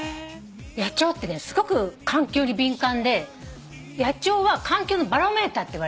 野鳥ってねすごく環境に敏感で野鳥は環境のバロメーターっていわれてて。